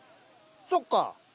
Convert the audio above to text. そっか。